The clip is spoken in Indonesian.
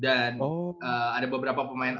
dan ada beberapa pemain